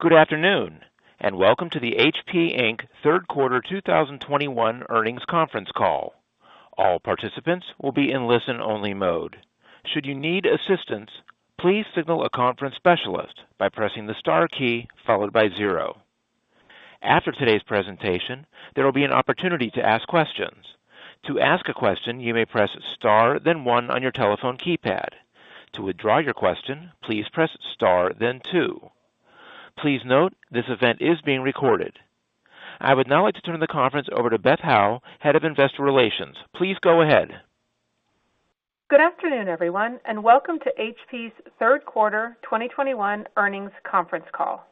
Good afternoon, welcome to the HP Inc. Q3 2021 Earnings Conference Call. All participants will be in listen only mode. Should you need assistance, please signal a conference specialist by pressing the star key followed by zero. After today's presentation, there will be an opportunity to ask questions. To ask a question, you may press star, then one on your telephone keypad. To withdraw your question, please press star, then two. Please note this event is being recorded. I would now like to turn the conference over to Beth Howe, Head of Investor Relations. Please go ahead. Good afternoon, everyone, and welcome to HP's Q3 2021 Earnings Conference Call.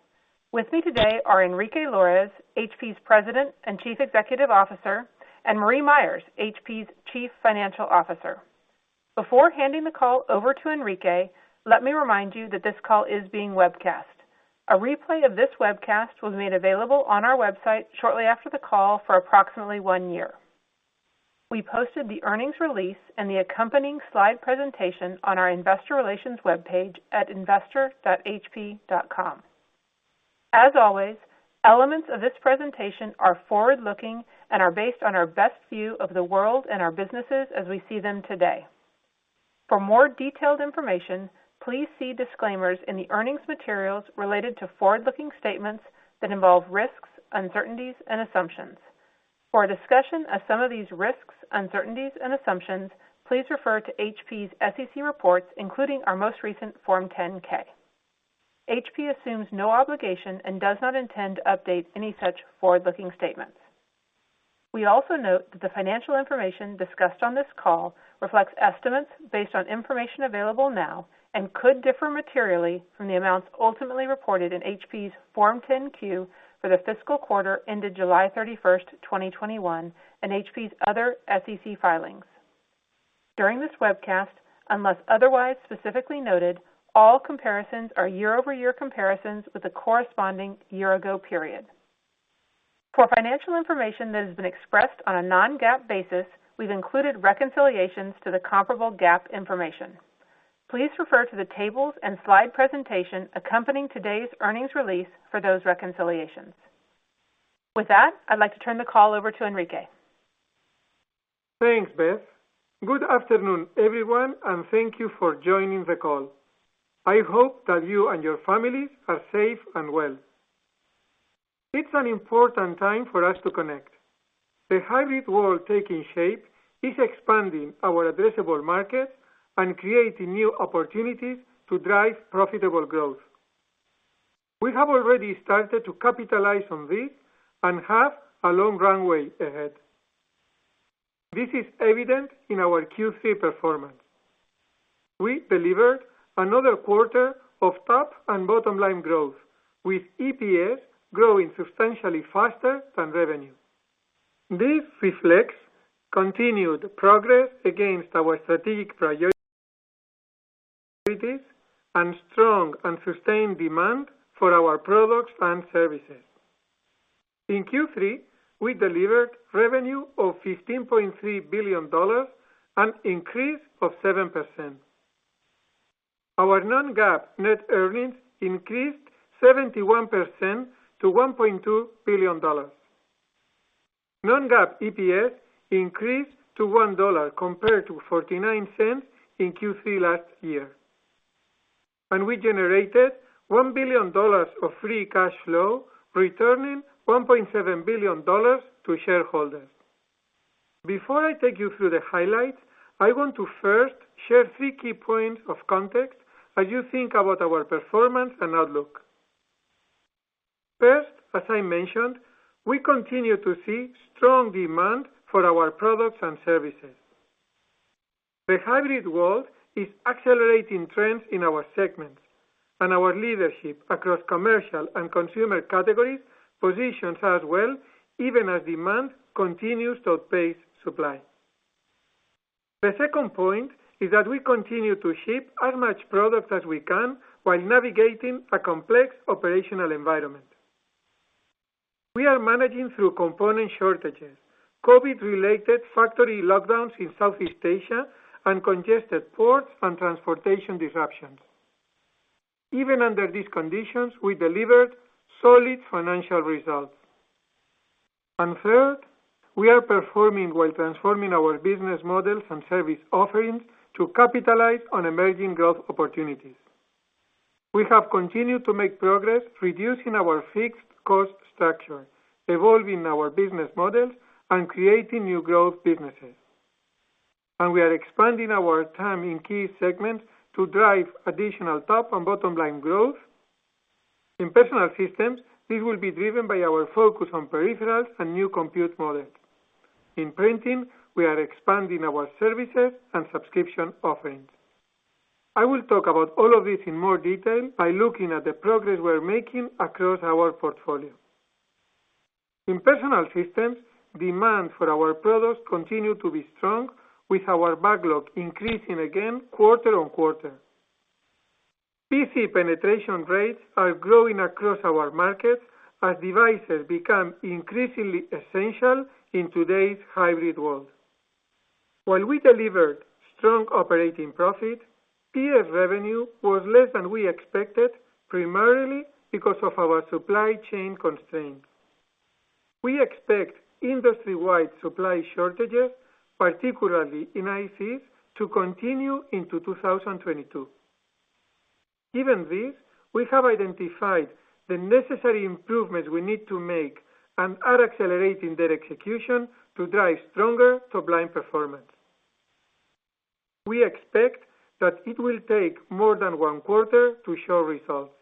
With me today are Enrique Lores, HP's President and Chief Executive Officer, and Marie Myers, HP's Chief Financial Officer. Before handing the call over to Enrique, let me remind you that this call is being webcast. A replay of this webcast was made available on our website shortly after the call for approximately one year. We posted the earnings release and the accompanying slide presentation on our investor relations webpage at investor.hp.com. As always, elements of this presentation are forward-looking and are based on our best view of the world and our businesses as we see them today. For more detailed information, please see disclaimers in the earnings materials related to forward-looking statements that involve risks, uncertainties, and assumptions. For a discussion of some of these risks, uncertainties, and assumptions, please refer to HP's SEC reports, including our most recent Form 10-K. HP assumes no obligation and does not intend to update any such forward-looking statements. We also note that the financial information discussed on this call reflects estimates based on information available now and could differ materially from the amounts ultimately reported in HP's Form 10-Q for the fiscal quarter ended July 31st, 2021, and HP's other SEC filings. During this webcast, unless otherwise specifically noted, all comparisons are year-over-year comparisons with the corresponding year-ago period. For financial information that has been expressed on a non-GAAP basis, we've included reconciliations to the comparable GAAP information. Please refer to the tables and slide presentation accompanying today's earnings release for those reconciliations. With that, I'd like to turn the call over to Enrique. Thanks, Beth. Good afternoon, everyone, and thank you for joining the call. I hope that you and your families are safe and well. It's an important time for us to connect. The hybrid world taking shape is expanding our addressable market and creating new opportunities to drive profitable growth. We have already started to capitalize on this and have a long runway ahead. This is evident in our Q3 performance. We delivered another quarter of top and bottom line growth, with EPS growing substantially faster than revenue. This reflects continued progress against our strategic priorities and strong and sustained demand for our products and services. In Q3, we delivered revenue of $15.3 billion, an increase of 7%. Our non-GAAP net earnings increased 71% to $1.2 billion. Non-GAAP EPS increased to $1 compared to $0.49 in Q3 last year. We generated $1 billion of free cash flow, returning $1.7 billion to shareholders. Before I take you through the highlights, I want to first share three key points of context as you think about our performance and outlook. First, as I mentioned, we continue to see strong demand for our products and services. The hybrid world is accelerating trends in our segments, and our leadership across commercial and consumer categories positions us well even as demand continues to outpace supply. The second point is that we continue to ship as much product as we can while navigating a complex operational environment. We are managing through component shortages, COVID-related factory lockdowns in Southeast Asia, and congested ports and transportation disruptions. Even under these conditions, we delivered solid financial results. Third, we are performing while transforming our business models and service offerings to capitalize on emerging growth opportunities. We have continued to make progress reducing our fixed cost structure, evolving our business models, and creating new growth businesses. We are expanding our time in key segments to drive additional top and bottom line growth. In Personal Systems, this will be driven by our focus on peripherals and new compute models. In printing, we are expanding our services and subscription offerings. I will talk about all of this in more detail by looking at the progress we're making across our portfolio. In Personal Systems, demand for our products continue to be strong, with our backlog increasing again quarter-over-quarter. PC penetration rates are growing across our markets as devices become increasingly essential in today's hybrid world. While we delivered strong operating profit, PS revenue was less than we expected, primarily because of our supply chain constraints. We expect industry-wide supply shortages, particularly in ICs, to continue into 2022. Given this, we have identified the necessary improvements we need to make and are accelerating their execution to drive stronger top-line performance. We expect that it will take more than one quarter to show results.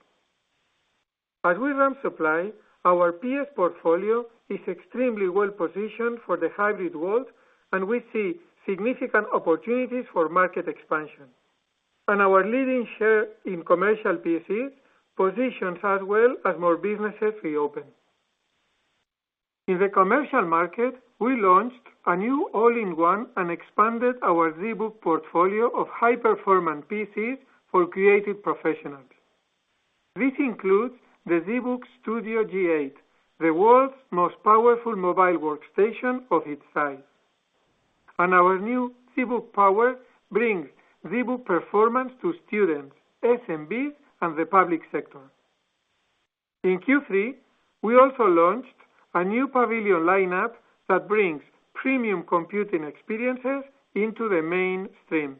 As we ramp supply, our PS portfolio is extremely well-positioned for the hybrid world, and we see significant opportunities for market expansion. Our leading share in commercial PCs positions us well as more businesses reopen. In the commercial market, we launched a new all-in-one and expanded our ZBook portfolio of high-performance PCs for creative professionals. This includes the ZBook Studio G8, the world's most powerful mobile workstation of its size. Our new ZBook Power brings ZBook performance to students, SMB, and the public sector. In Q3, we also launched a new Pavilion lineup that brings premium computing experiences into the mainstream.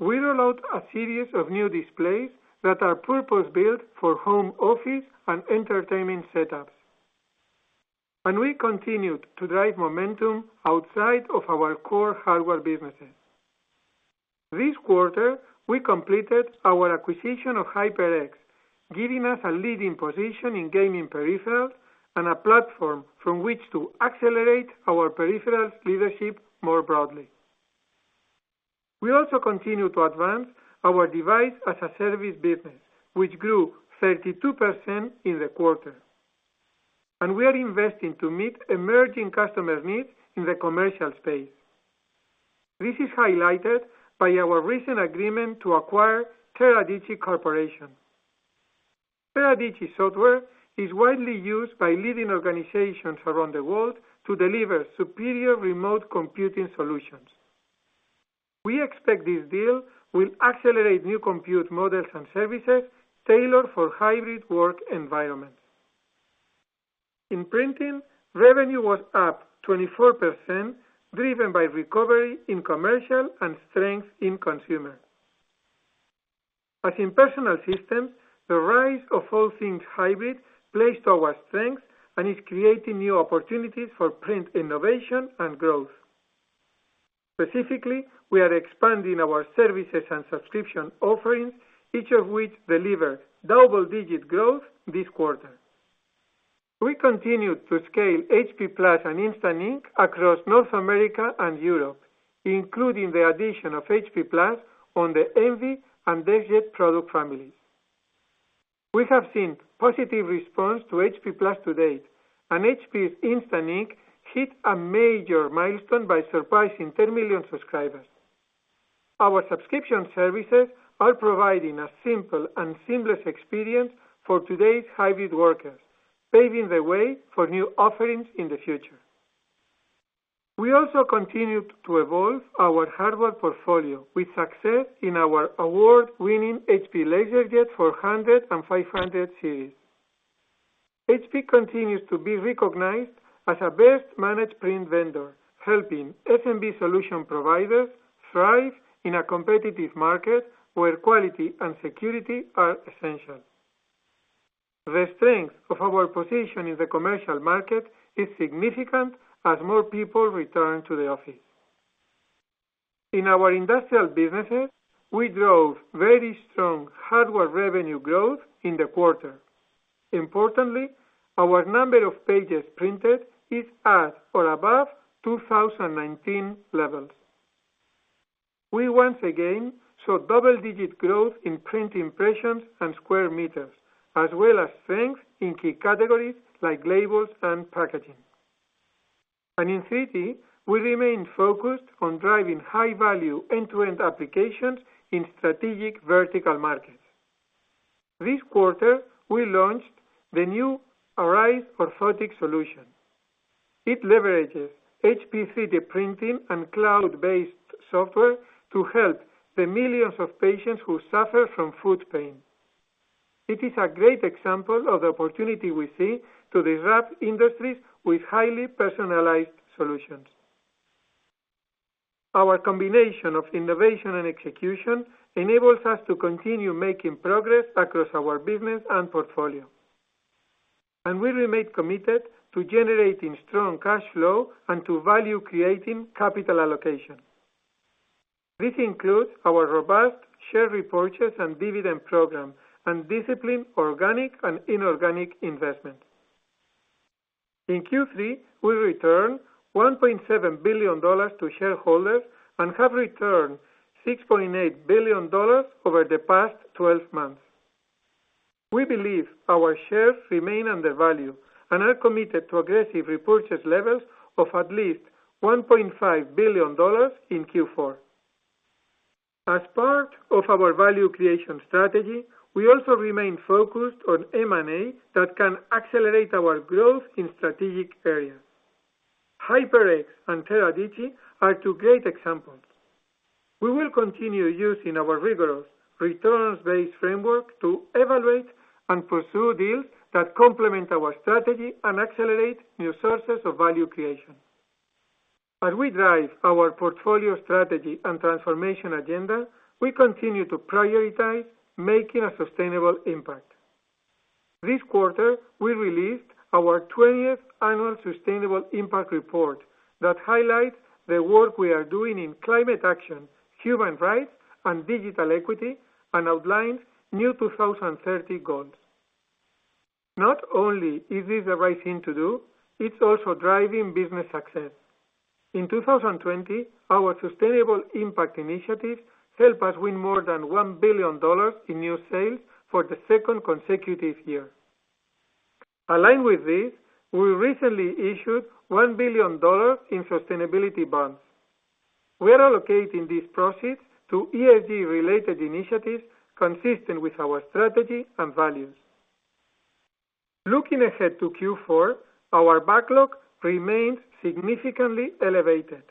We rolled out a series of new displays that are purpose-built for home, office, and entertainment setups. We continued to drive momentum outside of our core hardware businesses. This quarter, we completed our acquisition of HyperX, giving us a leading position in gaming peripherals and a platform from which to accelerate our peripherals leadership more broadly. We also continue to advance our device-as-a-service business, which grew 32% in the quarter. We are investing to meet emerging customer needs in the commercial space. This is highlighted by our recent agreement to acquire Teradici Corporation. Teradici software is widely used by leading organizations around the world to deliver superior remote computing solutions. We expect this deal will accelerate new compute models and services tailored for hybrid work environments. In printing, revenue was up 24%, driven by recovery in commercial and strength in consumer. As in personal systems, the rise of all-things hybrid plays to our strengths and is creating new opportunities for print innovation and growth. Specifically, we are expanding our services and subscription offerings, each of which delivered double-digit growth this quarter. We continued to scale HP+ and Instant Ink across North America and Europe, including the addition of HP+ on the Envy and DeskJet product families. We have seen positive response to HP+ to date, and HP Instant Ink hit a major milestone by surpassing 10 million subscribers. Our subscription services are providing a simple and seamless experience for today's hybrid workers, paving the way for new offerings in the future. We also continued to evolve our hardware portfolio with success in our award-winning HP LaserJet 400 and 500 series. HP continues to be recognized as a best managed print vendor, helping SMB solution providers thrive in a competitive market where quality and security are essential. The strength of our position in the commercial market is significant as more people return to the office. In our industrial businesses, we drove very strong hardware revenue growth in the quarter. Importantly, our number of pages printed is at or above 2019 levels. We once again saw double-digit growth in print impressions and square meters, as well as strength in key categories like labels and packaging. In 3D, we remain focused on driving high-value end-to-end applications in strategic vertical markets. This quarter, we launched the new Arize orthotic solution. It leverages HP 3D printing and cloud-based software to help the millions of patients who suffer from foot pain. It is a great example of the opportunity we see to disrupt industries with highly personalized solutions. Our combination of innovation and execution enables us to continue making progress across our business and portfolio. We remain committed to generating strong cash flow and to value-creating capital allocation. This includes our robust share repurchase and dividend program and disciplined organic and inorganic investment. In Q3, we returned $1.7 billion to shareholders and have returned $6.8 billion over the past 12 months. We believe our shares remain undervalued and are committed to aggressive repurchase levels of at least $1.5 billion in Q4. As part of our value creation strategy, we also remain focused on M&A that can accelerate our growth in strategic areas. HyperX and Teradici are two great examples. We will continue using our rigorous returns-based framework to evaluate and pursue deals that complement our strategy and accelerate new sources of value creation. As we drive our portfolio strategy and transformation agenda, we continue to prioritize making a sustainable impact. This quarter, we released our 20th annual sustainable impact report that highlights the work we are doing in climate action, human rights, and digital equity, and outlines new 2030 goals. Not only is this the right thing to do, it's also driving business success. In 2020, our sustainable impact initiatives helped us win more than $1 billion in new sales for the second consecutive year. Aligned with this, we recently issued $1 billion in sustainability bonds. We are allocating these proceeds to ESG-related initiatives consistent with our strategy and values. Looking ahead to Q4, our backlog remains significantly elevated.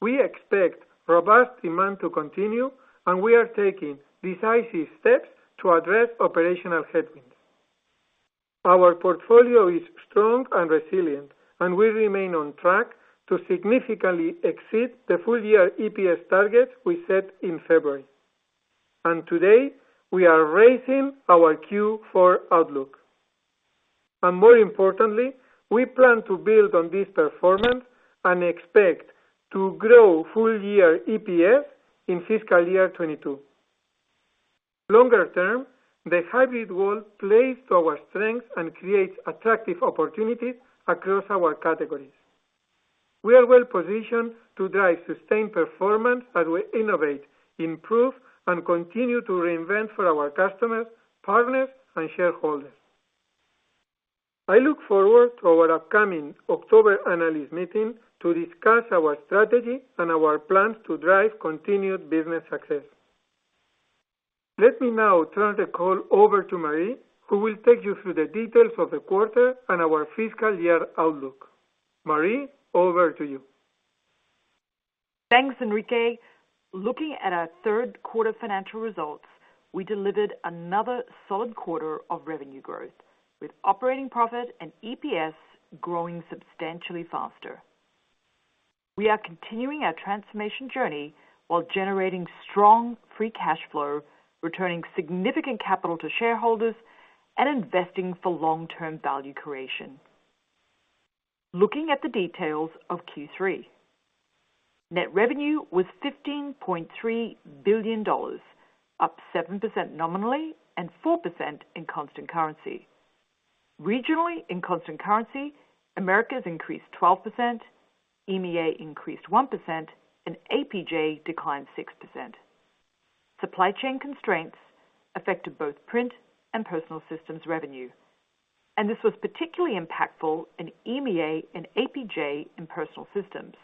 We expect robust demand to continue, and we are taking decisive steps to address operational headwinds. Our portfolio is strong and resilient, and we remain on track to significantly exceed the full-year EPS target we set in February. Today, we are raising our Q4 outlook. More importantly, we plan to build on this performance and expect to grow full-year EPS in fiscal year 2022. Longer term, the hybrid world plays to our strengths and creates attractive opportunities across our categories. We are well-positioned to drive sustained performance as we innovate, improve, and continue to reinvent for our customers, partners, and shareholders. I look forward to our upcoming October analyst meeting to discuss our strategy and our plans to drive continued business success. Let me now turn the call over to Marie, who will take you through the details of the quarter and our fiscal year outlook. Marie, over to you. Thanks, Enrique. Looking at our Q3 financial results, we delivered another solid quarter of revenue growth, with operating profit and EPS growing substantially faster. We are continuing our transformation journey while generating strong free cash flow, returning significant capital to shareholders, and investing for long-term value creation. Looking at the details of Q3. Net revenue was $15.3 billion, up 7% nominally and 4% in constant currency. Regionally, in constant currency, Americas increased 12%, EMEA increased 1%, APJ declined 6%. Supply chain constraints affected both Print and Personal Systems revenue. This was particularly impactful in EMEA and APJ in Personal Systems.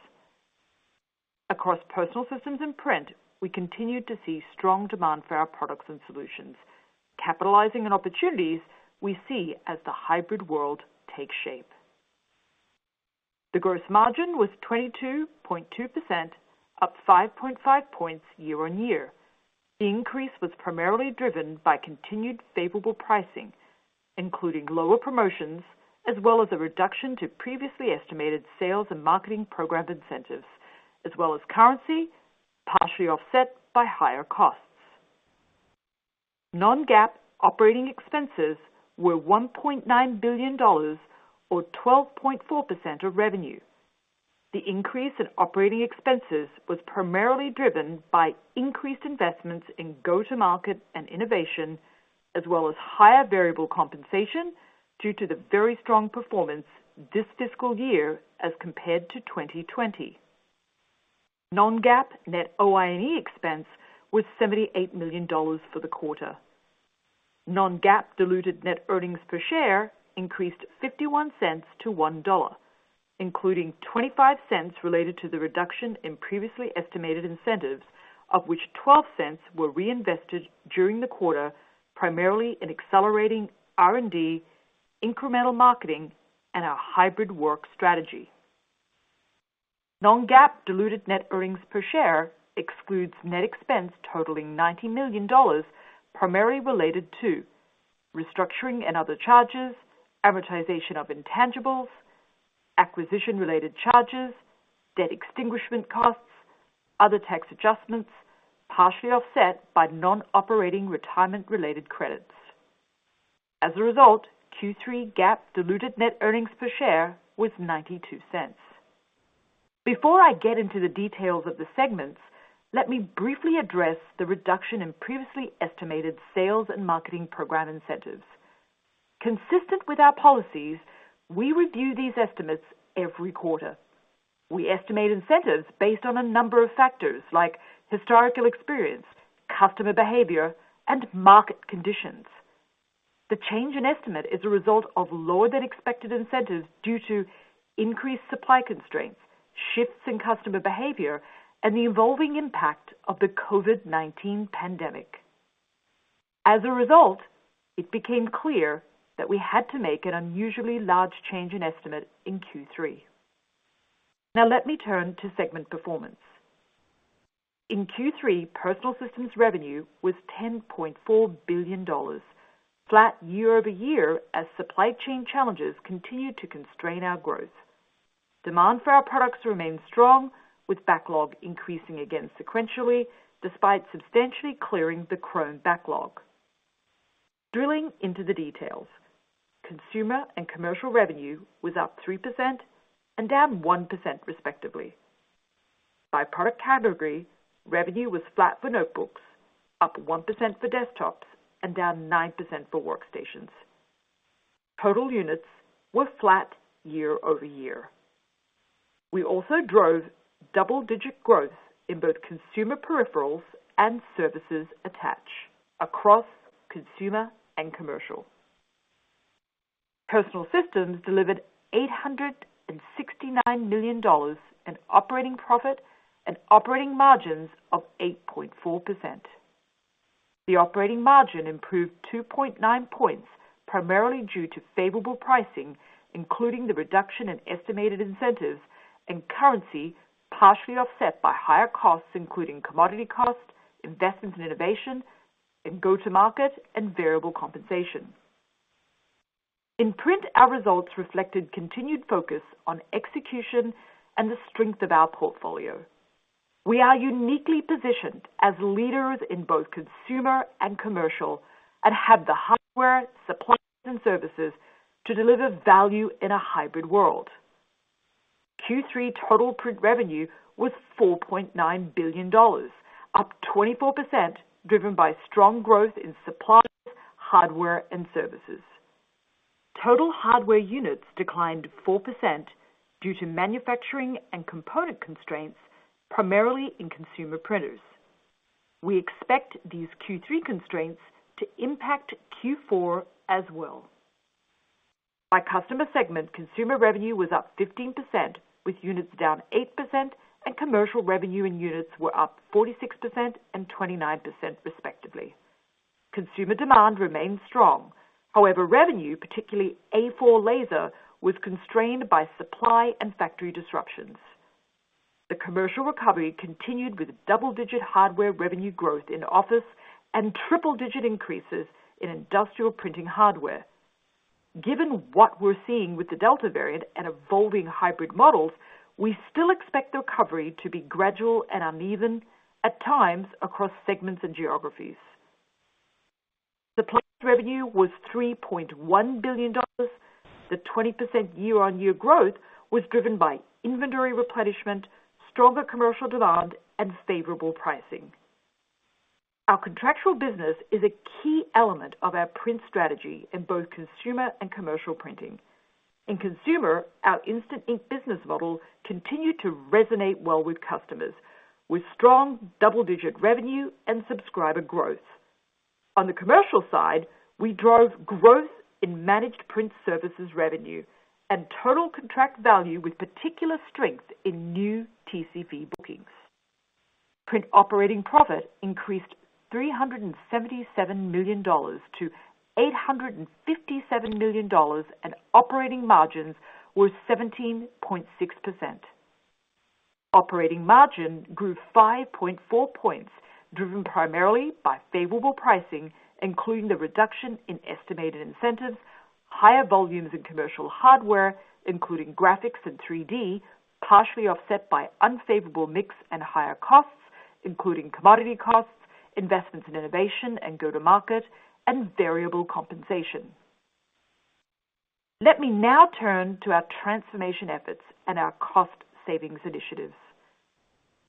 Across Personal Systems and Print, we continued to see strong demand for our products and solutions, capitalizing on opportunities we see as the hybrid world takes shape. The gross margin was 22.2%, up 5.5 points year-on-year. The increase was primarily driven by continued favorable pricing, including lower promotions, as well as a reduction to previously estimated sales and marketing program incentives, as well as currency, partially offset by higher costs. Non-GAAP operating expenses were $1.9 billion or 12.4% of revenue. The increase in operating expenses was primarily driven by increased investments in go-to-market and innovation, as well as higher variable compensation due to the very strong performance this fiscal year as compared to 2020. Non-GAAP net OIE expense was $78 million for the quarter. Non-GAAP diluted net earnings per share increased $0.51-$1, including $0.25 related to the reduction in previously estimated incentives, of which $0.12 were reinvested during the quarter, primarily in accelerating R&D, incremental marketing, and our hybrid work strategy. Non-GAAP diluted net earnings per share excludes net expense totaling $90 million, primarily related to restructuring and other charges, amortization of intangibles, acquisition-related charges, debt extinguishment costs, other tax adjustments, partially offset by non-operating retirement-related credits. As a result, Q3 GAAP diluted net earnings per share was $0.92. Before I get into the details of the segments, let me briefly address the reduction in previously estimated sales and marketing program incentives. Consistent with our policies, we review these estimates every quarter. We estimate incentives based on a number of factors like historical experience, customer behavior, and market conditions. The change in estimate is a result of lower than expected incentives due to increased supply constraints, shifts in customer behavior, and the evolving impact of the COVID-19 pandemic. As a result, it became clear that we had to make an unusually large change in estimate in Q3. Now let me turn to segment performance. In Q3, Personal Systems revenue was $10.4 billion, flat year-over-year as supply chain challenges continued to constrain our growth. Demand for our products remained strong, with backlog increasing again sequentially despite substantially clearing the Chromebook backlog. Drilling into the details, consumer and commercial revenue was up 3% and down 1%, respectively. By product category, revenue was flat for notebooks, up 1% for desktops, and down 9% for workstations. Total units were flat year-over-year. We also drove double-digit growth in both consumer peripherals and services attach across consumer and commercial. Personal Systems delivered $869 million in operating profit and operating margins of 8.4%. The operating margin improved 2.9 points primarily due to favorable pricing, including the reduction in estimated incentives and currency, partially offset by higher costs including commodity costs, investments in innovation, in go-to market, and variable compensation. In Print, our results reflected continued focus on execution and the strength of our portfolio. We are uniquely positioned as leaders in both consumer and commercial and have the hardware, supplies, and services to deliver value in a hybrid world. Q3 total Print revenue was $4.9 billion, up 24%, driven by strong growth in supplies, hardware, and services. Total hardware units declined 4% due to manufacturing and component constraints, primarily in consumer printers. We expect these Q3 constraints to impact Q4 as well. By customer segment, consumer revenue was up 15%, with units down 8%, and commercial revenue in units were up 46% and 29%, respectively. Consumer demand remains strong. Revenue, particularly A4 Laser, was constrained by supply and factory disruptions. The commercial recovery continued with double-digit hardware revenue growth in office and triple-digit increases in industrial printing hardware. Given what we're seeing with the Delta variant and evolving hybrid models, we still expect recovery to be gradual and uneven at times across segments and geographies. Supply revenue was $3.1 billion. The 20% year-on-year growth was driven by inventory replenishment, stronger commercial demand, and favorable pricing. Our contractual business is a key element of our Print strategy in both consumer and commercial printing. In consumer, our Instant Ink business model continued to resonate well with customers, with strong double-digit revenue and subscriber growth. On the commercial side, we drove growth in managed print services revenue and total contract value with particular strength in new TCV bookings. Print operating profit increased $377 million-$857 million, and operating margins were 17.6%. Operating margin grew 5.4 points, driven primarily by favorable pricing, including the reduction in estimated incentives, higher volumes in commercial hardware, including graphics and 3D, partially offset by unfavorable mix and higher costs, including commodity costs, investments in innovation and go-to market, and variable compensation. Let me now turn to our transformation efforts and our cost savings initiatives.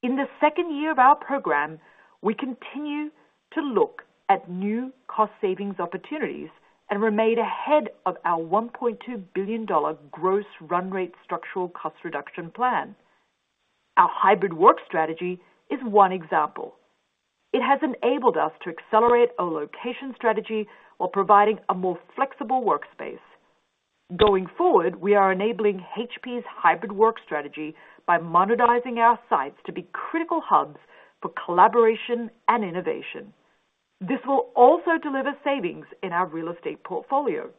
In the second year of our program, we continue to look at new cost savings opportunities and remain ahead of our $1.2 billion gross run rate structural cost reduction plan. Our hybrid work strategy is one example. It has enabled us to accelerate our location strategy while providing a more flexible workspace. Going forward, we are enabling HP's hybrid work strategy by modernizing our sites to be critical hubs for collaboration and innovation. This will also deliver savings in our real estate portfolio.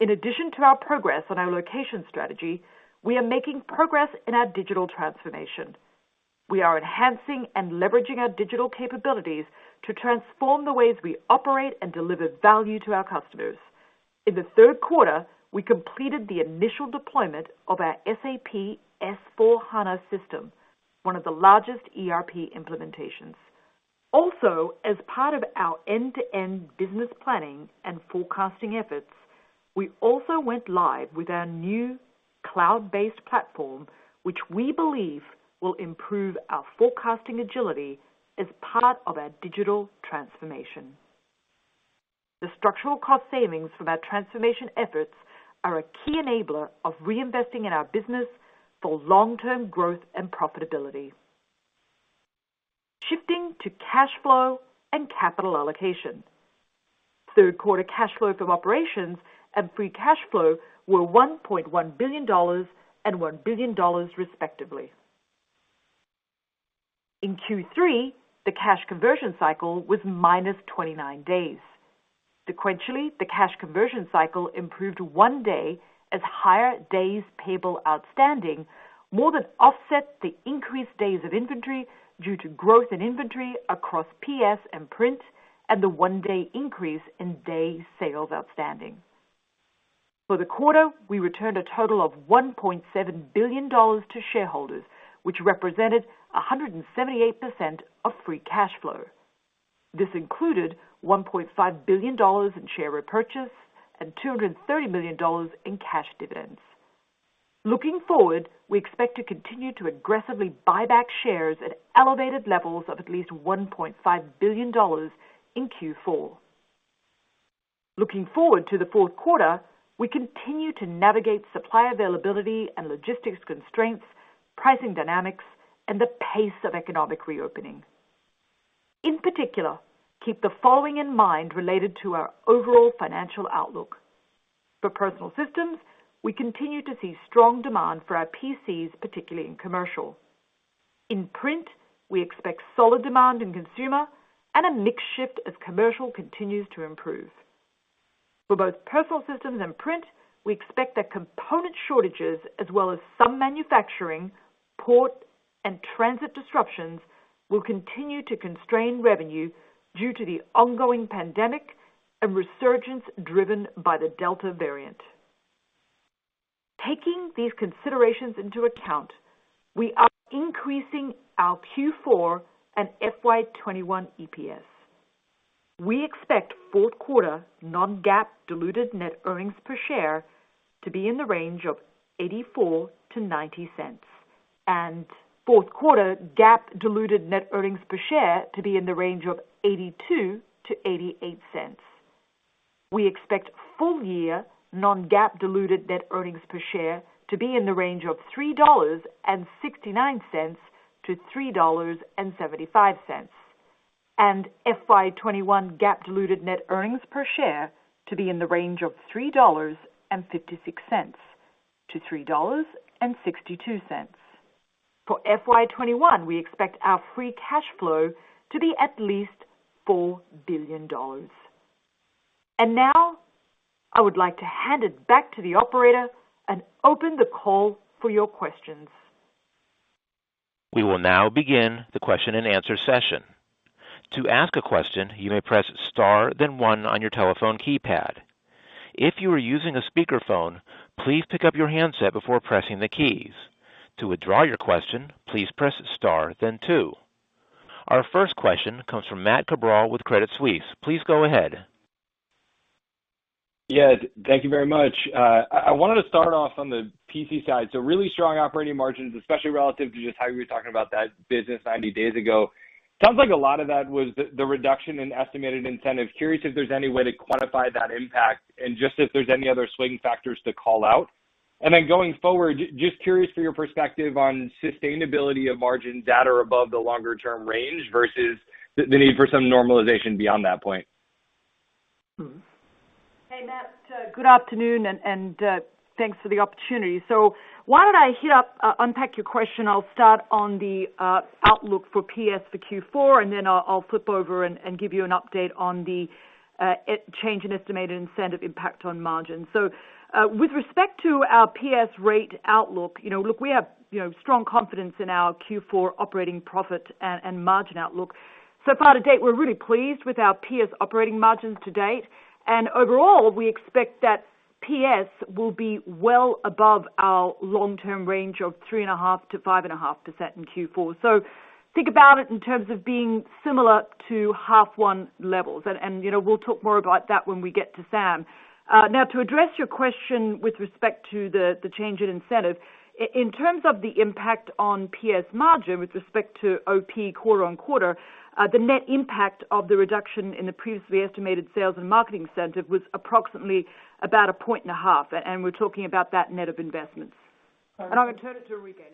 In addition to our progress on our location strategy, we are making progress in our digital transformation. We are enhancing and leveraging our digital capabilities to transform the ways we operate and deliver value to our customers. In the Q3, we completed the initial deployment of our SAP S/4HANA system, one of the largest ERP implementations. Also, as part of our end-to-end business planning and forecasting efforts, we also went live with our new cloud-based platform, which we believe will improve our forecasting agility as part of our digital transformation. The structural cost savings from our transformation efforts are a key enabler of reinvesting in our business for long-term growth and profitability. Shifting to cash flow and capital allocation. Q3 cash flow from operations and free cash flow were $1.1 billion and $1 billion respectively. In Q3, the cash conversion cycle was minus 29 days. Sequentially, the cash conversion cycle improved one day as higher days payable outstanding more than offset the increased days of inventory due to growth in inventory across PS and Print and the one-day increase in day sales outstanding. For the quarter, we returned a total of $1.7 billion to shareholders, which represented 178% of free cash flow. This included $1.5 billion in share repurchase and $230 million in cash dividends. Looking forward, we expect to continue to aggressively buy back shares at elevated levels of at least $1.5 billion in Q4. Looking forward to the fourth quarter, we continue to navigate supply availability and logistics constraints, pricing dynamics, and the pace of economic reopening. In particular, keep the following in mind related to our overall financial outlook. For Personal Systems, we continue to see strong demand for our PCs, particularly in commercial. In Print, we expect solid demand in consumer and a mix shift as commercial continues to improve. For both Personal Systems and Print, we expect that component shortages as well as some manufacturing, port, and transit disruptions will continue to constrain revenue due to the ongoing pandemic and resurgence driven by the Delta variant. Taking these considerations into account, we are increasing our Q4 and FY21 EPS. We expect fourth quarter non-GAAP diluted net earnings per share to be in the range of $0.84-$0.90, and fourth quarter GAAP diluted net earnings per share to be in the range of $0.82-$0.88. We expect full year non-GAAP diluted net earnings per share to be in the range of $3.69-$3.75, and FY21 GAAP diluted net earnings per share to be in the range of $3.56-$3.62. For FY21, we expect our free cash flow to be at least $4 billion. Now, I would like to hand it back to the operator and open the call for your questions. We will now begin the question and answer session. To ask a question, you may press star then one on your telephone keypad. If you are using a speakerphone, please pick up your handset before pressing the keys. To withdraw your question, please press star then two. Our first question comes from Matt Cabral with Credit Suisse. Please go ahead. Yeah. Thank you very much. I wanted to start off on the PC side. Really strong operating margins, especially relative to just how you were talking about that business 90 days ago. Sounds like a lot of that was the reduction in estimated incentive. Curious if there's any way to quantify that impact, and just if there's any other swinging factors to call out. Going forward, just curious for your perspective on sustainability of margins at or above the longer-term range versus the need for some normalization beyond that point. Hey, Matt. Good afternoon, thanks for the opportunity. Why don't I unpack your question. I'll start on the outlook for PS for Q4, then I'll flip over and give you an update on the change in estimated incentive impact on margin. With respect to our PS rate outlook, look, we have strong confidence in our Q4 operating profit and margin outlook. Far to date, we're really pleased with our PS operating margins to date, and overall, we expect that PS will be well above our long-term range of 3.5%-5.5% in Q4. Think about it in terms of being similar to H1 levels, we'll talk more about that when we get to SAM. Now, to address your question with respect to the change in incentive. In terms of the impact on PS margin with respect to OP quarter-on-quarter, the net impact of the reduction in the previously estimated sales and marketing incentive was approximately about a point and a half. We're talking about that net of investments. I'll turn it to Enrique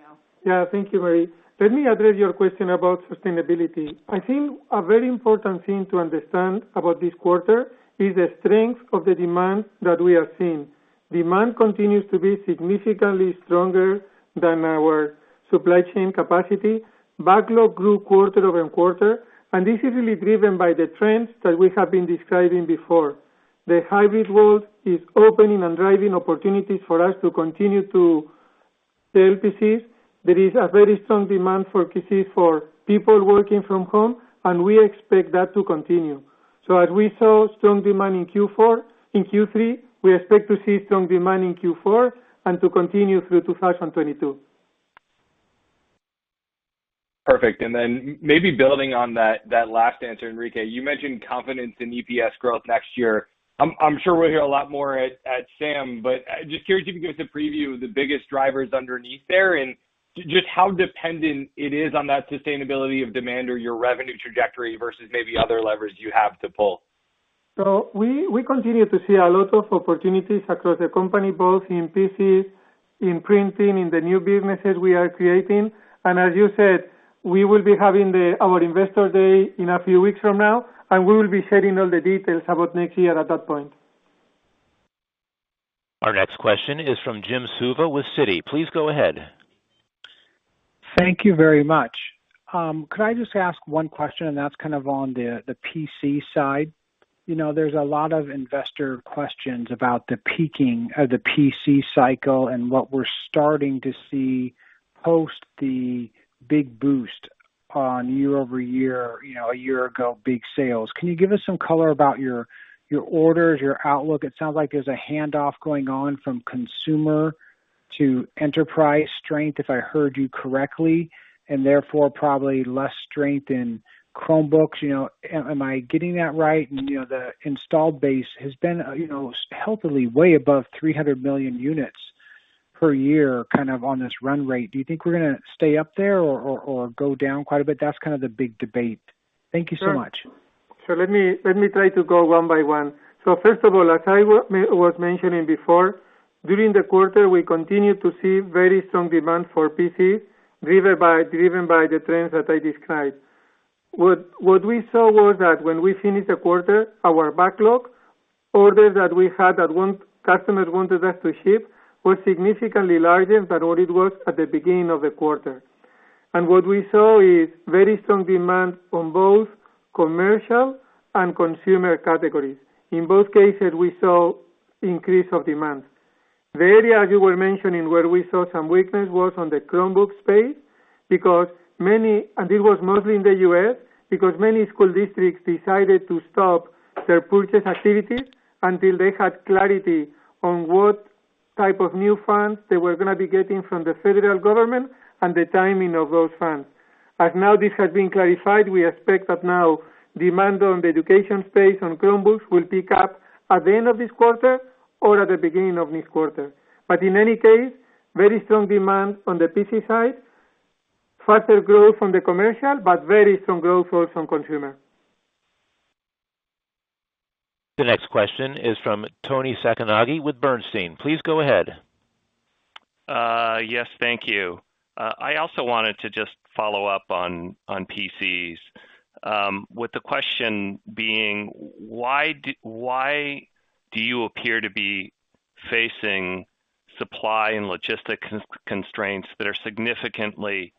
now. Thank you, Marie. Let me address your question about sustainability. I think a very important thing to understand about this quarter is the strength of the demand that we are seeing. Demand continues to be significantly stronger than our supply chain capacity. Backlog grew quarter-over-quarter, and this is really driven by the trends that we have been describing before. The hybrid world is opening and driving opportunities for us to continue to sell PCs. There is a very strong demand for PCs for people working from home, and we expect that to continue. As we saw strong demand in Q3, we expect to see strong demand in Q4 and to continue through to 2022. Perfect. Maybe building on that last answer, Enrique. You mentioned confidence in EPS growth next year. I am sure we will hear a lot more at SAM, but just curious if you can give us a preview of the biggest drivers underneath there and just how dependent it is on that sustainability of demand or your revenue trajectory versus maybe other levers you have to pull? We continue to see a lot of opportunities across the company, both in PCs, in printing, in the new businesses we are creating. As you said, we will be having our investor day in a few weeks from now, and we will be sharing all the details about next year at that point. Our next question is from Jim Suva with Citi. Please go ahead. Thank you very much. Could I just ask one question, and that's kind of on the PC side. There's a lot of investor questions about the peaking of the PC cycle and what we're starting to see post the big boost on year-over-year, a year ago, big sales. Can you give us some color about your orders, your outlook? It sounds like there's a handoff going on from consumer to enterprise strength, if I heard you correctly, and therefore probably less strength in Chromebooks. Am I getting that right? The installed base has been healthily way above 300 million units per year, kind of on this run rate. Do you think we're going to stay up there or go down quite a bit? That's kind of the big debate. Thank you so much. Let me try to go one by one. First of all, as I was mentioning before, during the quarter, we continued to see very strong demand for PCs, driven by the trends that I described. What we saw was that when we finished the quarter, our backlog, orders that we had that customers wanted us to ship, was significantly larger than what it was at the beginning of the quarter. What we saw is very strong demand on both commercial and consumer categories. In both cases, we saw increase of demand. The area you were mentioning where we saw some weakness was on the Chromebook space, because many, and this was mostly in the U.S., because many school districts decided to stop their purchase activities until they had clarity on what type of new funds they were going to be getting from the federal government and the timing of those funds. Now this has been clarified, we expect that now demand on the education space on Chromebooks will pick up at the end of this quarter or at the beginning of next quarter. In any case, very strong demand on the PC side. Faster growth on the commercial, but very strong growth also on consumer. The next question is from Toni Sacconaghi with Bernstein. Please go ahead. Yes, thank you. I also wanted to just follow up on PCs, with the question being, why do you appear to be facing supply and logistics constraints that are significantly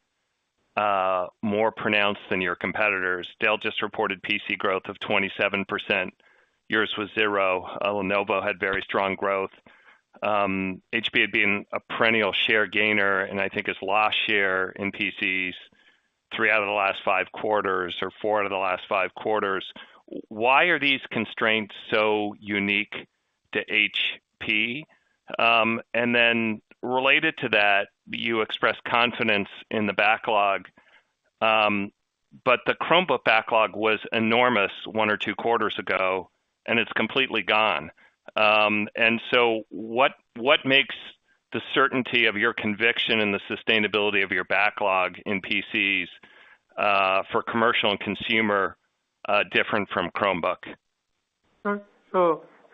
more pronounced than your competitors? Dell just reported PC growth of 27%. Yours was zero. Lenovo had very strong growth. HP had been a perennial share gainer, I think its last share in PCs three out of the last five quarters or four out of the last five quarters. Why are these constraints so unique to HP? Related to that, you expressed confidence in the backlog, but the Chromebook backlog was enormous one or two quarters ago, and it's completely gone. What makes the certainty of your conviction and the sustainability of your backlog in PCs, for commercial and consumer, different from Chromebook?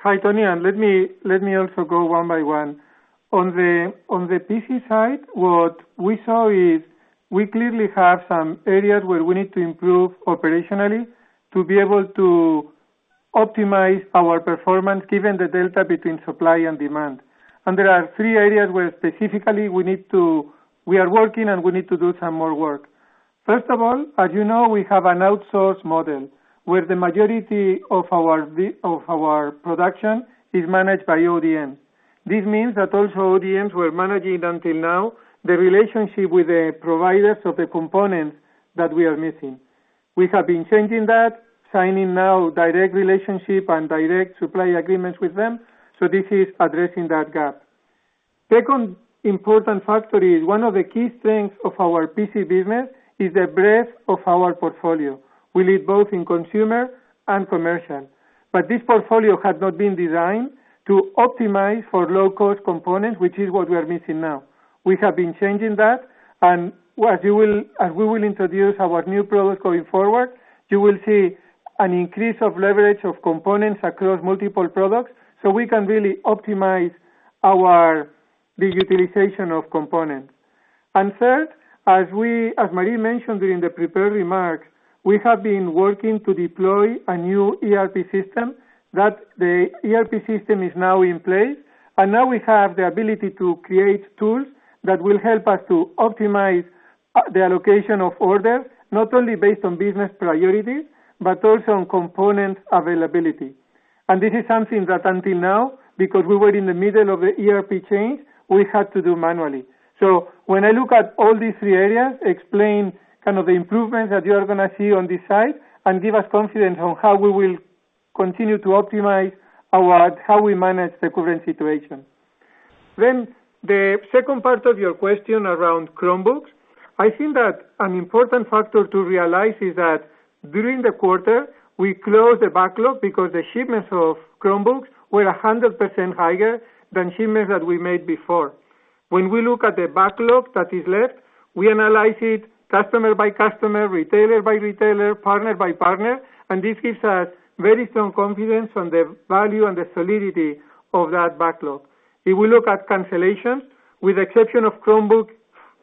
Hi, Toni, let me also go one by one. On the PC side, what we saw is we clearly have some areas where we need to improve operationally to be able to optimize our performance given the Delta variant between supply and demand. There are three areas where specifically we are working, we need to do some more work. First of all, as you know, we have an outsource model where the majority of our production is managed by ODM. This means that also ODMs were managing until now the relationship with the providers of the components that we are missing. We have been changing that, signing now direct relationship and direct supply agreements with them. This is addressing that gap. Second important factor is one of the key strengths of our PC business is the breadth of our portfolio. This portfolio had not been designed to optimize for low-cost components, which is what we are missing now. We have been changing that, as we will introduce our new product going forward, you will see an increase of leverage of components across multiple products, so we can really optimize the utilization of components. Third, as Marie mentioned during the prepared remarks, we have been working to deploy a new ERP system. The ERP system is now in place, and now we have the ability to create tools that will help us to optimize the allocation of orders, not only based on business priorities, but also on component availability. This is something that until now, because we were in the middle of the ERP change, we had to do manually. When I look at all these three areas, explain kind of the improvements that you are going to see on this side and give us confidence on how we will continue to optimize how we manage the current situation. The second part of your question around Chromebooks. I think that an important factor to realize is that during the quarter, we closed the backlog because the shipments of Chromebooks were 100% higher than shipments that we made before. When we look at the backlog that is left, we analyze it customer by customer, retailer by retailer, partner by partner, and this gives us very strong confidence on the value and the solidity of that backlog. If we look at cancellations, with the exception of Chromebooks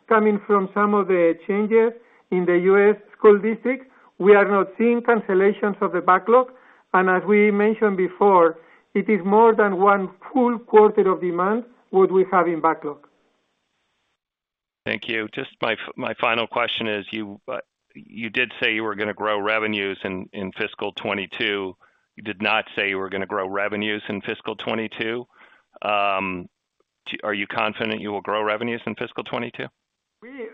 coming from some of the changes in the U.S. school district, we are not seeing cancellations of the backlog. As we mentioned before, it is more than one full quarter of demand what we have in backlog. Thank you. Just my final question is, you did say you were going to grow revenues in fiscal 2022. You did not say you were going to grow revenues in fiscal 2022. Are you confident you will grow revenues in fiscal 2022?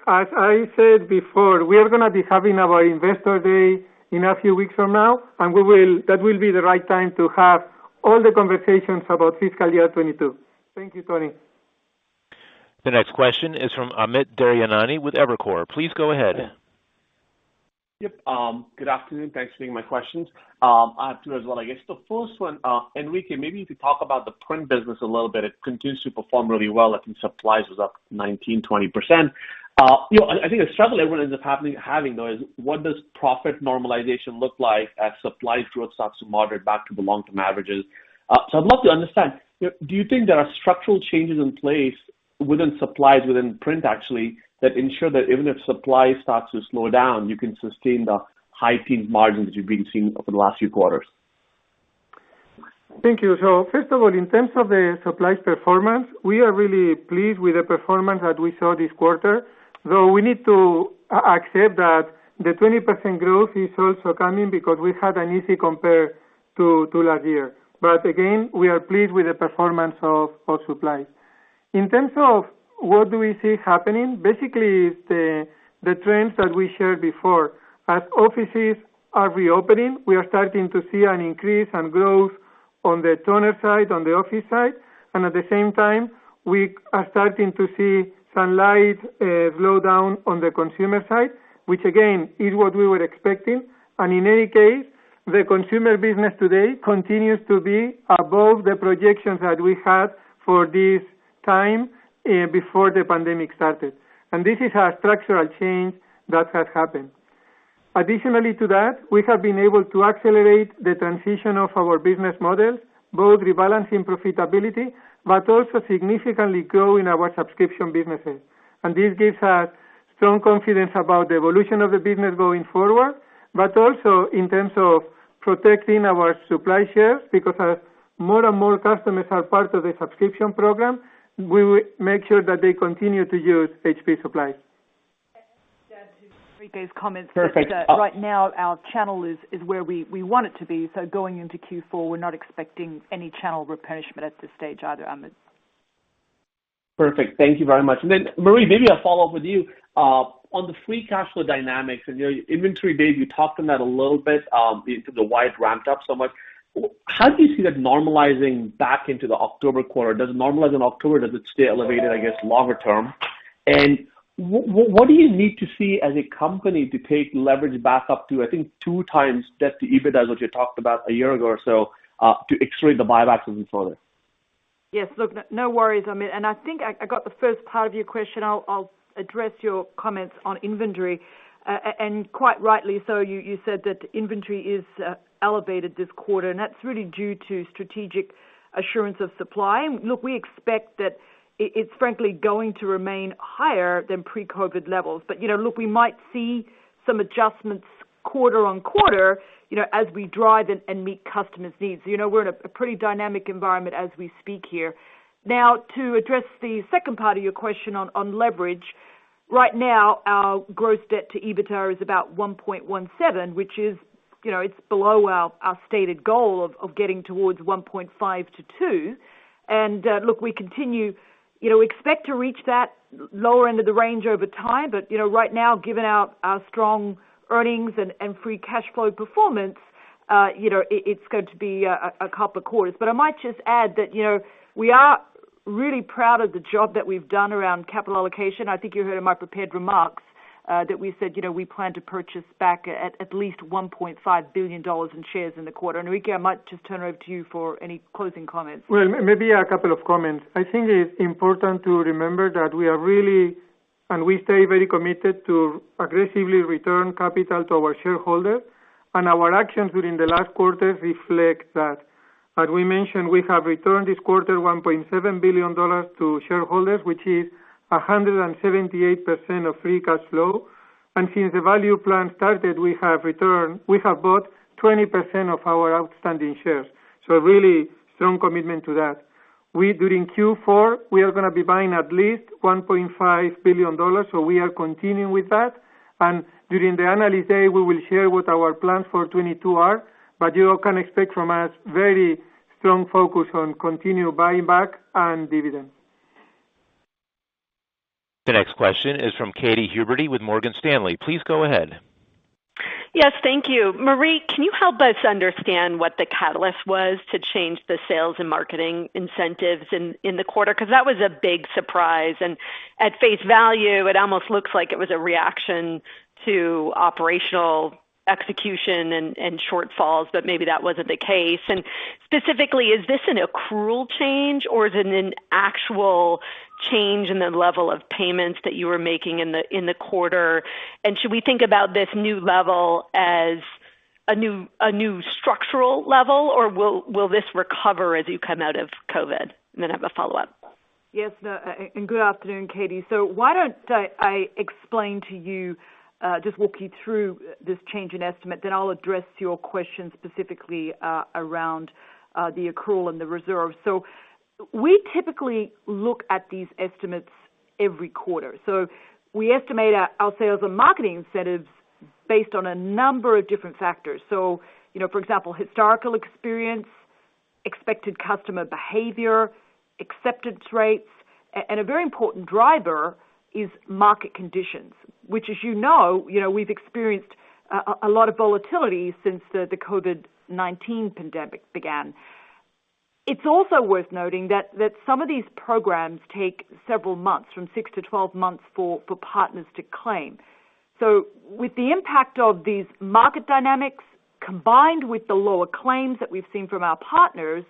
As I said before, we are going to be having our investor day in a few weeks from now, and that will be the right time to have all the conversations about fiscal year 2022. Thank you, Toni. The next question is from Amit Daryanani with Evercore. Please go ahead. Yep. Good afternoon. Thanks for taking my questions. I have two as well, I guess. The first one, Enrique, maybe to talk about the print business a little bit. It continues to perform really well. I think supplies was up 19%, 20%. I think a struggle everyone ends up having, though, is what does profit normalization look like as supply growth starts to moderate back to the long-term averages? I'd love to understand, do you think there are structural changes in place within supplies, within print, actually, that ensure that even if supply starts to slow down, you can sustain the high-teen margins you've been seeing over the last few quarters? Thank you. First of all, in terms of the supplies performance, we are really pleased with the performance that we saw this quarter, though we need to accept that the 20% growth is also coming because we had an easy compare to last year. Again, we are pleased with the performance of supplies. In terms of what do we see happening, basically, the trends that we shared before. As offices are reopening, we are starting to see an increase and growth on the toner side, on the office side. At the same time, we are starting to see some light slowdown on the consumer side, which again, is what we were expecting. In any case, the consumer business today continues to be above the projections that we had for this time before the pandemic started, and this is a structural change that has happened. Additionally to that, we have been able to accelerate the transition of our business model, both rebalancing profitability, but also significantly growing our subscription businesses. This gives us strong confidence about the evolution of the business going forward, but also in terms of protecting our supply shares, because as more and more customers are part of the subscription program, we will make sure that they continue to use HP supplies. To add to Enrique's comments. Perfect Right now our channel is where we want it to be. Going into Q4, we're not expecting any channel replenishment at this stage either, Amit. Perfect. Thank you very much. Marie, maybe I'll follow up with you. On the free cash flow dynamics and your inventory days, you talked on that a little bit, into the why it ramped up so much. How do you see that normalizing back into the October quarter? Does it normalize in October? Does it stay elevated, I guess, longer term? What do you need to see as a company to take leverage back up to, I think, two times debt to EBITDA, as what you talked about a year ago or so, to extreme the buybacks even further? Yes. Look, no worries, Amit. I think I got the first part of your question. I'll address your comments on inventory. Quite rightly so, you said that inventory is elevated this quarter, and that's really due to strategic assurance of supply. Look, we expect that it's frankly going to remain higher than pre-COVID-19 levels. Look, we might see some adjustments quarter on quarter as we drive and meet customers' needs. We're in a pretty dynamic environment as we speak here. Now, to address the second part of your question on leverage. Right now, our gross debt to EBITDA is about 1.17, which is below our stated goal of getting towards 1.5-2. Look, we expect to reach that lower end of the range over time. Right now, given our strong earnings and free cash flow performance, it's going to be a couple of quarters. I might just add that we are really proud of the job that we've done around capital allocation. I think you heard in my prepared remarks that we said we plan to purchase back at least $1.5 billion in shares in the quarter. Enrique, I might just turn it over to you for any closing comments. Well, maybe a couple of comments. I think it's important to remember that we are really, and we stay very committed to aggressively return capital to our shareholders, and our actions during the last quarter reflect that. As we mentioned, we have returned this quarter $1.7 billion to shareholders, which is 178% of free cash flow. Since the value plan started, we have bought 20% of our outstanding shares. Really strong commitment to that. During Q4, we are going to be buying at least $1.5 billion, so we are continuing with that. During the analyst day, we will share what our plans for 2022 are. You can expect from us very strong focus on continued buying back and dividend. The next question is from Katy Huberty with Morgan Stanley. Please go ahead. Yes, thank you. Marie, can you help us understand what the catalyst was to change the sales and marketing incentives in the quarter? That was a big surprise. At face value, it almost looks like it was a reaction to operational execution and shortfalls, maybe that wasn't the case. Specifically, is this an accrual change or is it an actual change in the level of payments that you were making in the quarter? Should we think about this new level as a new structural level, or will this recover as you come out of COVID? I have a follow-up. Yes. Good afternoon, Katy. Why don't I explain to you, just walk you through this change in estimate, then I'll address your question specifically around the accrual and the reserve. We typically look at these estimates every quarter. We estimate our sales and marketing incentives based on a number of different factors. For example, historical experience, expected customer behavior, acceptance rates, and a very important driver is market conditions, which, as you know, we've experienced a lot of volatility since the COVID-19 pandemic began. It's also worth noting that some of these programs take several months, from 6-12 months, for partners to claim. With the impact of these market dynamics, combined with the lower claims that we've seen from our partners,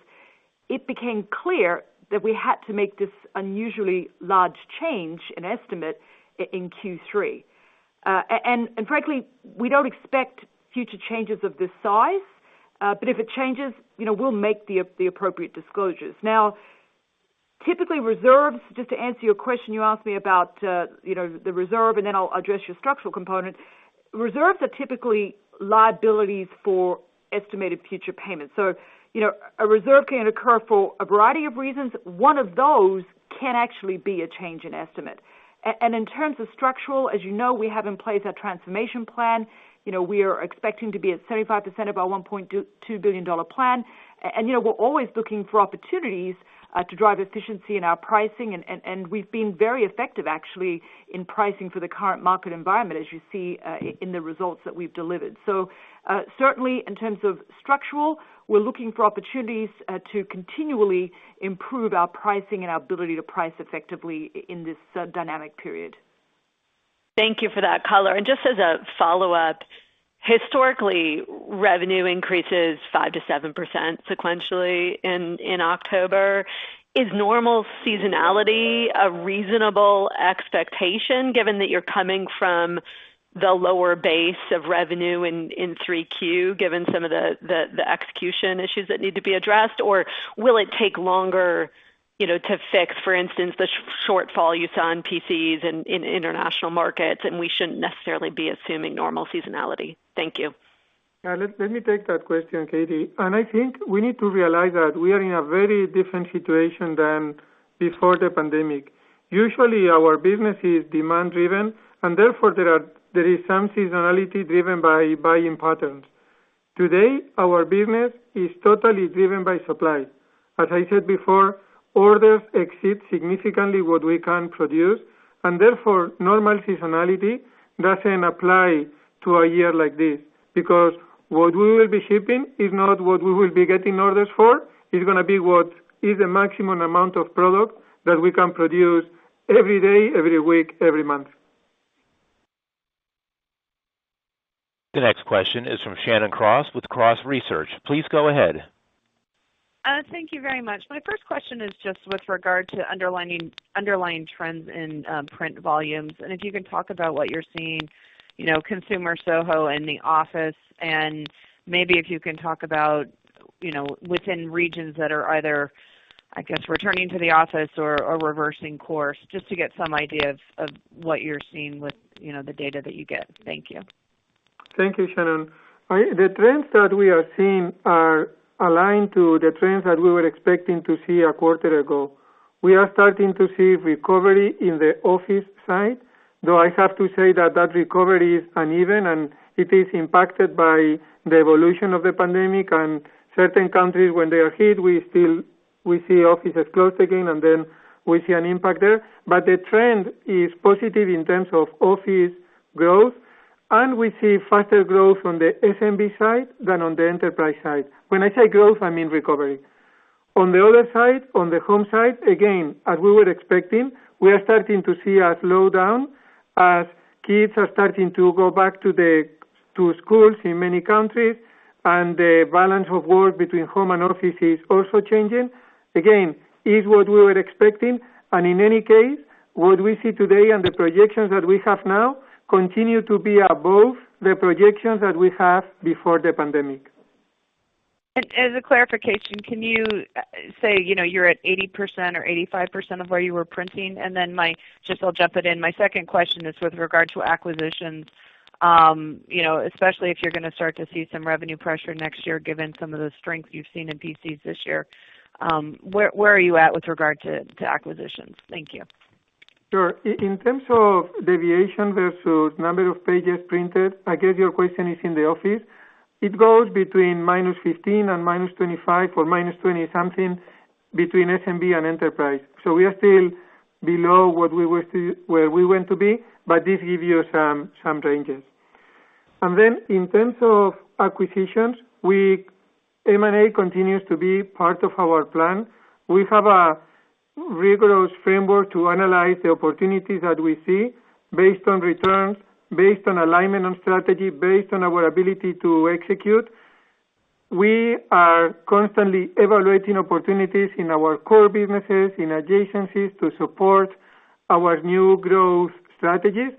it became clear that we had to make this unusually large change in estimate in Q3. Frankly, we don't expect future changes of this size. If it changes, we'll make the appropriate disclosures. Typically reserves, just to answer your question you asked me about the reserve, and then I'll address your structural component. A reserve can occur for a variety of reasons. One of those can actually be a change in estimate. In terms of structural, as you know, we have in place our transformation plan. We are expecting to be at 75% of our $1.2 billion plan. We're always looking for opportunities to drive efficiency in our pricing, and we've been very effective, actually, in pricing for the current market environment, as you see in the results that we've delivered. Certainly, in terms of structural, we're looking for opportunities to continually improve our pricing and our ability to price effectively in this dynamic period. Thank you for that color. Just as a follow-up, historically, revenue increases 5%-7% sequentially in October. Is normal seasonality a reasonable expectation given that you're coming from the lower base of revenue in 3Q, given some of the execution issues that need to be addressed, or will it take longer to fix, for instance, the shortfall you saw in PCs and in international markets, and we shouldn't necessarily be assuming normal seasonality? Thank you. Yeah, let me take that question, Katy. I think we need to realize that we are in a very different situation than before the pandemic. Usually, our business is demand-driven, and therefore there is some seasonality driven by buying patterns. Today, our business is totally driven by supply. As I said before, orders exceed significantly what we can produce, and therefore, normal seasonality doesn't apply to a year like this. What we will be shipping is not what we will be getting orders for. It's going to be what is the maximum amount of product that we can produce every day, every week, every month. The next question is from Shannon Cross with Cross Research. Please go ahead. Thank you very much. My first question is just with regard to underlying trends in print volumes, and if you can talk about what you're seeing, consumer, SOHO, and the office, and maybe if you can talk about within regions that are either, I guess, returning to the office or reversing course, just to get some idea of what you're seeing with the data that you get. Thank you. Thank you, Shannon. The trends that we are seeing are aligned to the trends that we were expecting to see a quarter ago. We are starting to see recovery in the office side, though I have to say that that recovery is uneven, and it is impacted by the evolution of the pandemic and certain countries when they are hit, we see offices close again, and then we see an impact there. The trend is positive in terms of office growth, and we see faster growth on the SMB side than on the enterprise side. When I say growth, I mean recovery. On the other side, on the home side, again, as we were expecting, we are starting to see a slowdown as kids are starting to go back to schools in many countries, and the balance of work between home and office is also changing. Again, it's what we were expecting. In any case, what we see today and the projections that we have now continue to be above the projections that we had before the pandemic. As a clarification, can you say, you're at 80% or 85% of where you were printing? I'll just jump it in. My second question is with regard to acquisitions, especially if you're going to start to see some revenue pressure next year given some of the strength you've seen in PCs this year. Where are you at with regard to acquisitions? Thank you. Sure. In terms of deviation versus number of pages printed, I guess your question is in the office. It goes between -15 and -25 or minus 20 something between SMB and enterprise. We are still below where we want to be, but this gives you some ranges. In terms of acquisitions, M&A continues to be part of our plan. We have a rigorous framework to analyze the opportunities that we see based on returns, based on alignment on strategy, based on our ability to execute. We are constantly evaluating opportunities in our core businesses, in adjacencies to support our new growth strategies.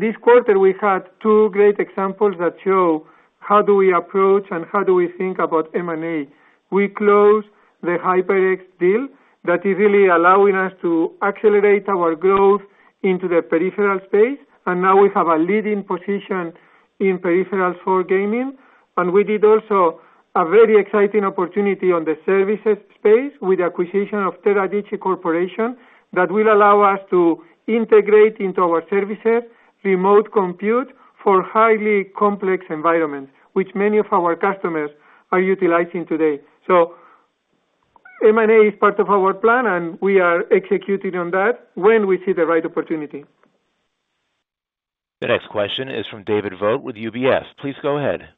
This quarter, we had two great examples that show how do we approach and how do we think about M&A. We closed the HyperX deal that is really allowing us to accelerate our growth into the peripheral space, and now we have a leading position in peripherals for gaming. We did also a very exciting opportunity on the services space with the acquisition of Teradici Corporation that will allow us to integrate into our services remote compute for highly complex environments, which many of our customers are utilizing today. M&A is part of our plan, and we are executing on that when we see the right opportunity. The next question is from David Vogt with UBS. Please go ahead.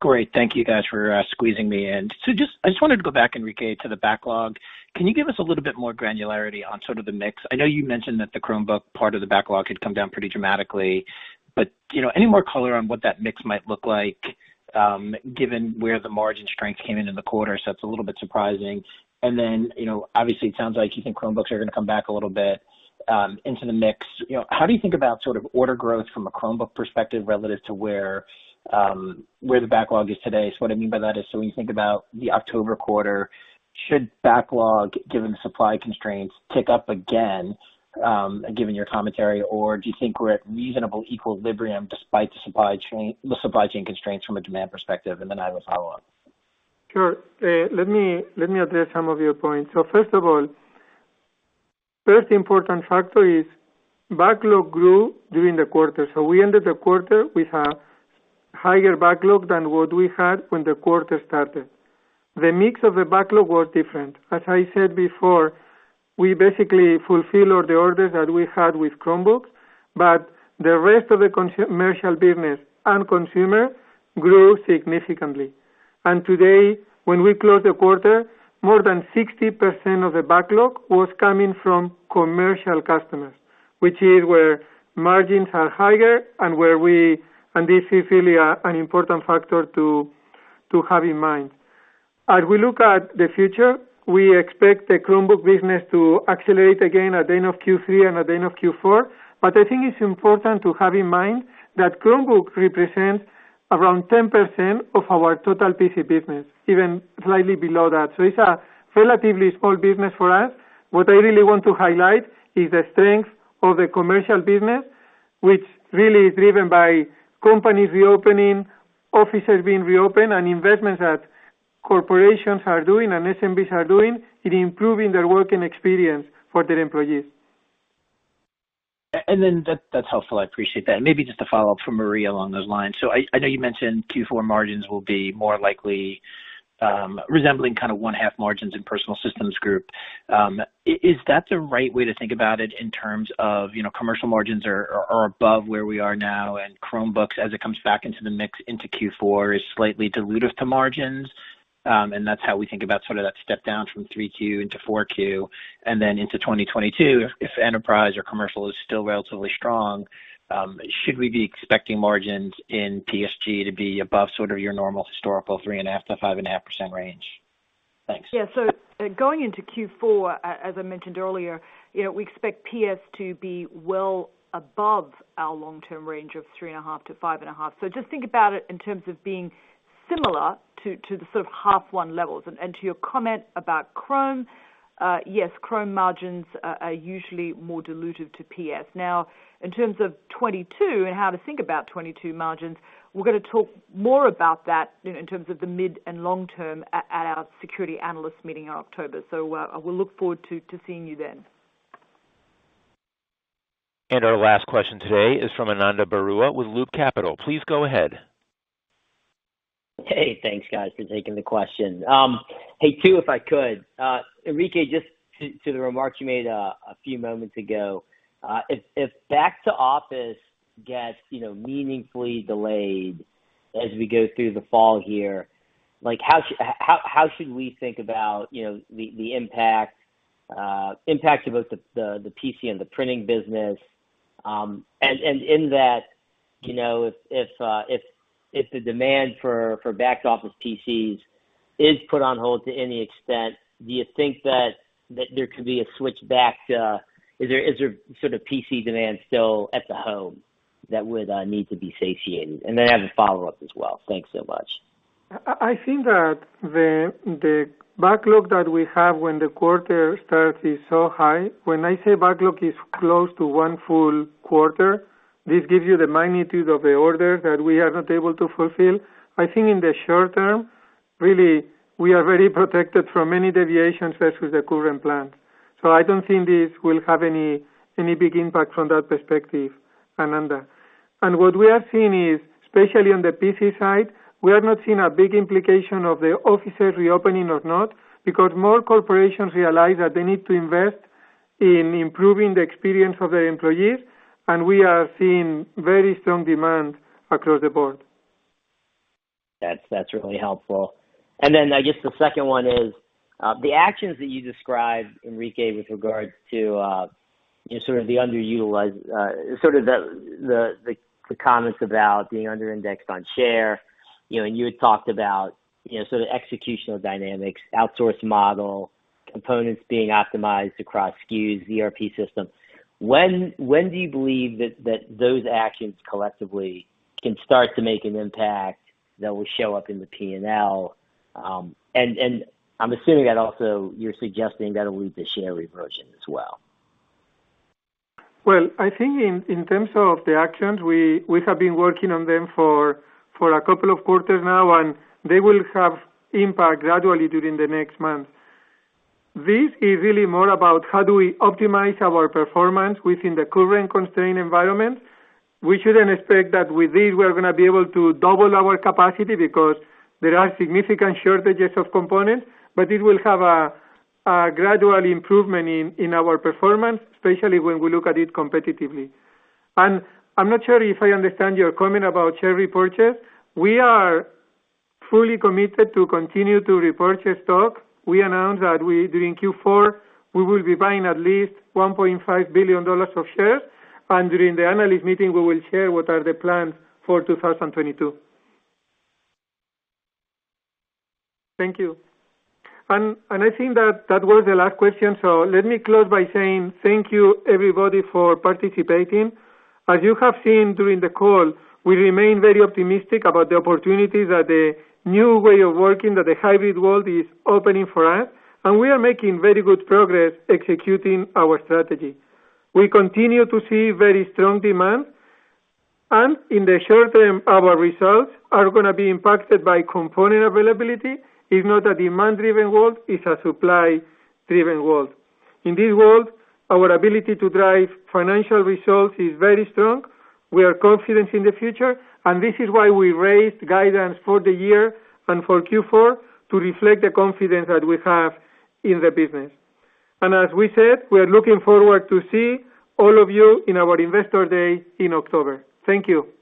Great. Thank you guys for squeezing me in. Just, I just wanted to go back, Enrique, to the backlog. Can you give us a little bit more granularity on sort of the mix? I know you mentioned that the Chromebook part of the backlog had come down pretty dramatically, but any more color on what that mix might look like, given where the margin strength came in in the quarter, so it's a little bit surprising. Obviously it sounds like you think Chromebooks are going to come back a little bit into the mix. How do you think about sort of order growth from a Chromebook perspective relative to where the backlog is today? What I mean by that is, when you think about the October quarter, should backlog, given the supply constraints, tick up again, given your commentary, or do you think we're at reasonable equilibrium despite the supply chain constraints from a demand perspective? I have a follow-up. Sure. Let me address some of your points. First of all, first important factor is backlog grew during the quarter. We ended the quarter with a higher backlog than what we had when the quarter started. The mix of the backlog was different. As I said before, we basically fulfill all the orders that we had with Chromebook, but the rest of the commercial business and consumer grew significantly. Today, when we close the quarter, more than 60% of the backlog was coming from commercial customers, which is where margins are higher. This is really an important factor to have in mind. As we look at the future, we expect the Chromebook business to accelerate again at the end of Q3 and at the end of Q4. I think it's important to have in mind that Chromebook represents around 10% of our total PC business, even slightly below that. It's a relatively small business for us. What I really want to highlight is the strength of the commercial business, which really is driven by companies reopening, offices being reopened, and investments that corporations are doing and SMBs are doing in improving their working experience for their employees. That's helpful, I appreciate that. Maybe just a follow-up from Marie along those lines. I know you mentioned Q4 margins will be more likely, resembling kind of one half margins in Personal Systems Group. Is that the right way to think about it in terms of commercial margins are above where we are now and Chromebooks, as it comes back into the mix into Q4, is slightly dilutive to margins, and that's how we think about sort of that step down from 3Q into 4Q. Into 2022, if enterprise or commercial is still relatively strong, should we be expecting margins in PSG to be above sort of your normal historical 3.5%-5.5% range? Thanks. Going into Q4, as I mentioned earlier, we expect PS to be well above our long-term range of 3.5%-5.5%. Just think about it in terms of being similar to the sort of H1 levels. To your comment about Chromebook, yes, Chromebook margins are usually more dilutive to PS. In terms of 2022 and how to think about 2022 margins, we're going to talk more about that in terms of the mid and long term at our Securities Analyst Meeting in October. We'll look forward to seeing you then. Our last question today is from Ananda Baruah with Loop Capital. Please go ahead. Hey, thanks guys for taking the question. Hey, two if I could. Enrique, just to the remark you made a few moments ago, if back-to-office gets meaningfully delayed as we go through the fall here, how should we think about the impact of both the PC and the printing business, and in that, if the demand for back-to-office PCs is put on hold to any extent, do you think that there could be a switch back to Is there sort of PC demand still at the home that would need to be satiated? I have a follow-up as well. Thanks so much. I think that the backlog that we have when the quarter starts is so high. When I say backlog is close to one full quarter, this gives you the magnitude of the order that we are not able to fulfill. I think in the short term, really, we are very protected from any deviations as with the current plan. I don't think this will have any big impact from that perspective, Ananda. What we are seeing is, especially on the PC side, we are not seeing a big implication of the offices reopening or not, because more corporations realize that they need to invest in improving the experience of the employees, and we are seeing very strong demand across the board. That's really helpful. I guess the second one is, the actions that you described, Enrique, with regards to the comments about being under-indexed on share, and you had talked about executional dynamics, outsource model, components being optimized across SKUs, ERP system. When do you believe that those actions collectively can start to make an impact that will show up in the P&L? I'm assuming that also you're suggesting that'll lead to share reversion as well. I think in terms of the actions, we have been working on them for a couple of quarters now, and they will have impact gradually during the next month. This is really more about how do we optimize our performance within the current constrained environment. We shouldn't expect that with this, we are going to be able to double our capacity because there are significant shortages of components, but it will have a gradual improvement in our performance, especially when we look at it competitively. I'm not sure if I understand your comment about share repurchase. We are fully committed to continue to repurchase stock. We announced that during Q4, we will be buying at least $1.5 billion of shares, and during the analyst meeting, we will share what are the plans for 2022. Thank you. I think that was the last question. Let me close by saying thank you, everybody, for participating. As you have seen during the call, we remain very optimistic about the opportunities that the new way of working, that the hybrid world is opening for us, and we are making very good progress executing our strategy. We continue to see very strong demand, in the short term, our results are going to be impacted by component availability. It's not a demand-driven world, it's a supply-driven world. In this world, our ability to drive financial results is very strong. We are confident in the future, this is why we raised guidance for the year and for Q4 to reflect the confidence that we have in the business. As we said, we are looking forward to see all of you in our investor day in October. Thank you.